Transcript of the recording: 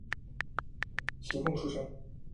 廪贡出身。